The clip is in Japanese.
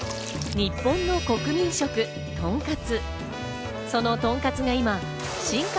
日本の国民食、とんかつ。